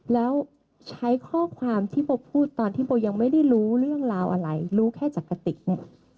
แล้วใช้ข้อความที่โบพูดตอนที่โบยังไม่ได้รู้เรื่องราวอะไรรู้แค่จากกะติกเนี่ย